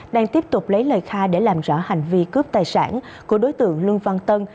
đang tiếp tục lấy lời khai để làm rõ hành vi cướp tài sản của đối tượng lương văn tân